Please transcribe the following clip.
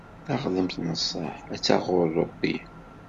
Taɣdemt n ṣṣeḥ atta ɣur Rebbi.